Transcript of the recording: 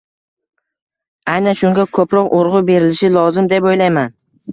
aynan shunga koʻproq urgʻu berilishi lozim deb oʻylayman.